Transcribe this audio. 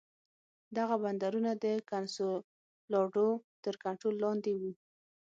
دغه بندرونه د کنسولاډو تر کنټرول لاندې وو.